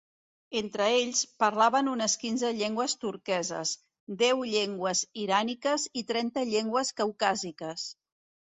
Entre ells, parlaven unes quinze llengües turqueses, deu llengües iràniques i trenta llengües caucàsiques.